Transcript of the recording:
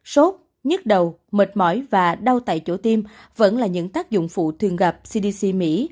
sốt nhức đầu mệt mỏi và đau tại chỗ tim vẫn là những tác dụng phụ thường gặp cdc mỹ